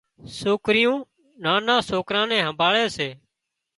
سوڪريُون نانان سوڪران نين همڀاۯي سي